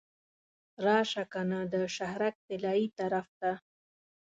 راشه کنه د شهرک طلایي طرف ته.